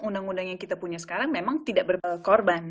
undang undang yang kita punya sekarang memang tidak berkorban